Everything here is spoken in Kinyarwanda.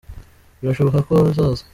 Birashoboka ko azaza